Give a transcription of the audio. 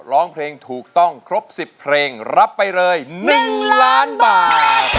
ร้องเพลงถูกต้องครบ๑๐เพลงรับไปเลย๑ล้านบาท